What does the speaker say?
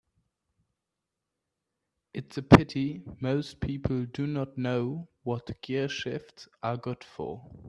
It's a pity most people do not know what gearshifts are good for.